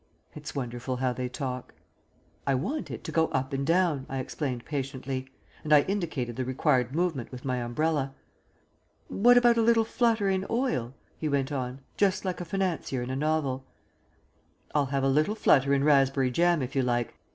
It's wonderful how they talk. "I want it to go up and down," I explained patiently, and I indicated the required movement with my umbrella. "What about a little flutter in oil?" he went on, just like a financier in a novel. "I'll have a little flutter in raspberry jam if you like.